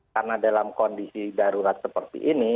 karena dalam kondisi darurat seperti ini